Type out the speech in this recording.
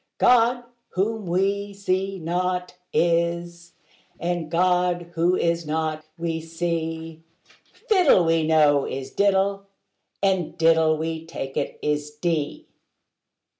God, whom we see not, is: and God, who is not, we see: Fiddle, we know, is diddle: and diddle, we take it, is dee.